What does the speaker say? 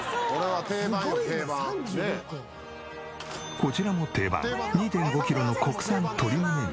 こちらも定番２．５キロの国産鶏むね肉。